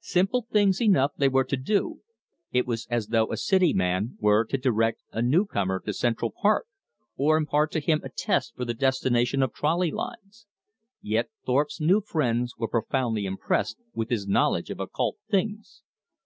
Simple things enough they were to do it was as though a city man were to direct a newcomer to Central Park, or impart to him a test for the destinations of trolley lines yet Thorpe's new friends were profoundly impressed with his knowledge of occult things.